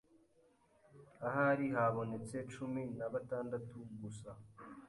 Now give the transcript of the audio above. ahari habonetse cumi nabatandatu gusa